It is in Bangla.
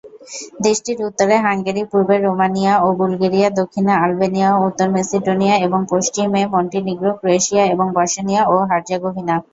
দেশটির উত্তরে হাঙ্গেরি, পূর্বে রোমানিয়া ও বুলগেরিয়া, দক্ষিণে আলবেনিয়া ও উত্তর মেসিডোনিয়া, এবং পশ্চিমে মন্টিনিগ্রো, ক্রোয়েশিয়া এবং বসনিয়া ও হার্জেগোভিনা।